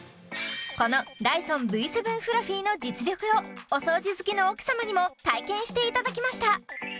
このダイソンＶ７フラフィの実力をお掃除好きの奥様にも体験していただきました